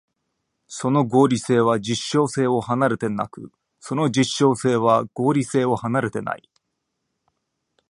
その合理性は実証性を離れてなく、その実証性は合理性を離れてない。